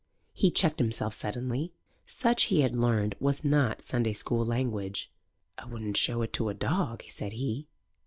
he checked himself suddenly. Such, he had learned, was not Sunday school language. "I wouldno' show it to a dog," said he.